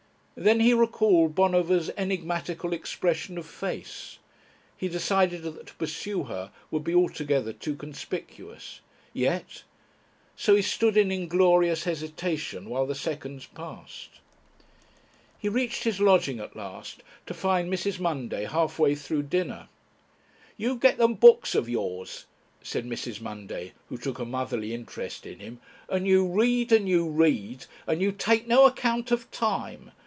Then he recalled Bonover's enigmatical expression of face. He decided that to pursue her would be altogether too conspicuous. Yet ... So he stood in inglorious hesitation, while the seconds passed. He reached his lodging at last to find Mrs. Munday halfway through dinner. "You get them books of yours," said Mrs. Munday, who took a motherly interest in him, "and you read and you read, and you take no account of time.